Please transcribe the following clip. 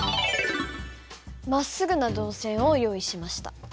まっすぐな導線を用意しました。